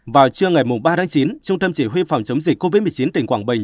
vào trưa ngày ba tháng chín trung tâm chỉ huy phòng chống dịch covid một mươi chín tỉnh quảng bình